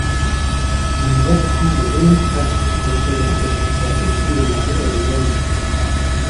Une version de démonstration est présente pour faire essayer le jeu à des amis.